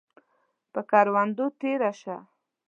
پۀ کروندو تیره شه